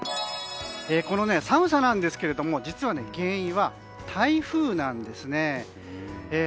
この寒さなんですが実は原因は台風なんですね。